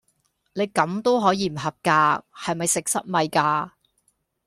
你咁都可以唔合格，係唔係食塞米架！